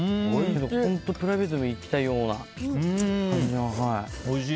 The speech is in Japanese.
本当プライベートで行きたいような感じの。